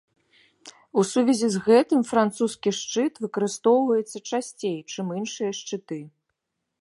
У сувязі з гэтым французскі шчыт выкарыстоўваецца часцей, чым іншыя шчыты.